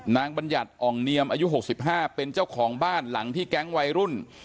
นางบรรยัติอ่องเนียมอายุหกสิบห้าเป็นเจ้าของบ้านหลังที่แก๊งวัยรุ่น